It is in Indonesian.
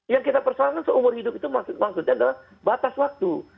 yang kita persoalkan seumur hidup itu maksudnya adalah batas waktu